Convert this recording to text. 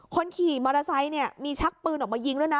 คนขี่มอเตอร์ไซค์เนี่ยมีชักปืนออกมายิงด้วยนะ